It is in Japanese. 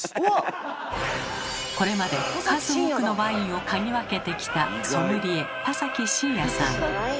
これまで数多くのワインを嗅ぎ分けてきたソムリエ田崎真也さん。